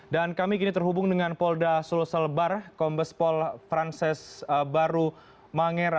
dan kami kini terhubung dengan polda sulselbar kombespol frances baru manger